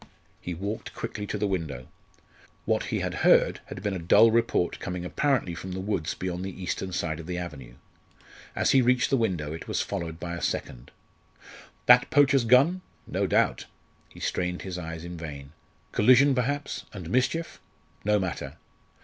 He walked quickly to the window. What he had heard had been a dull report coming apparently from the woods beyond the eastern side of the avenue. As he reached the window it was followed by a second. "That poacher's gun? no doubt!" he strained his eyes in vain "Collision perhaps and mischief? No matter!